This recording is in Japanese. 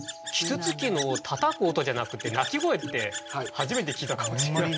啄木鳥のたたく音じゃなくて鳴き声って初めて聞いたかもしれません。